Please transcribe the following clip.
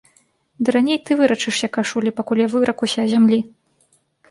Ды раней ты вырачашся кашулі, пакуль я выракуся зямлі.